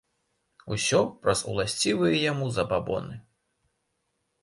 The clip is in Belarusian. Усё праз уласцівыя яму забабоны.